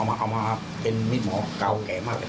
อันนี้เอามาเป็นมิดหมอกาวแก่มากเลย